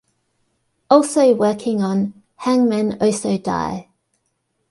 Also working on Hangmen Also Die!